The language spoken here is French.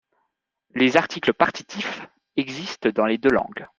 Les articles partitifs existent dans les deux langues.